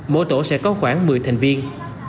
mỗi tổ sẽ có khoảng một mươi thành viên